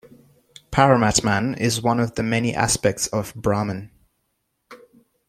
Paramatman is one of the many aspects of Brahman.